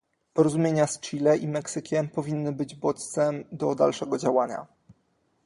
Porozumienia z Chile i Meksykiem powinny być bodźcem do dalszego działania